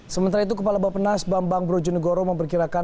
sementara itu kepala bapenas bambang brojonegoro memperkirakan